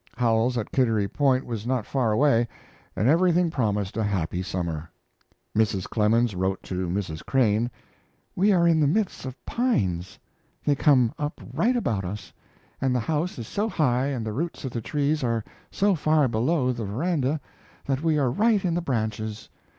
Howells, at Kittery Point, was not far away, and everything promised a happy summer. Mrs. Clemens wrote to Mrs. Crane: We are in the midst of pines. They come up right about us, and the house is so high and the roots of the trees are so far below the veranda that we are right in the branches.